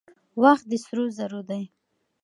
وخت د سرو زرو دی.